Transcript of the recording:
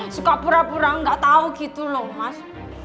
suka pura pura gak tau gitu loh mas